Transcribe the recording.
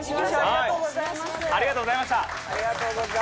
ありがとうございます！